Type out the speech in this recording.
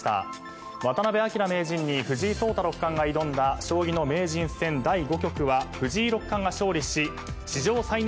「渡辺明名人に藤井聡太六冠が挑んだ将棋の名人戦第５局は藤井六冠が勝利し史上最年少の名人獲得」